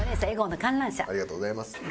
ありがとうございます。